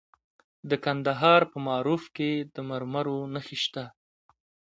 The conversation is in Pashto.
د کندهار په معروف کې د مرمرو نښې شته.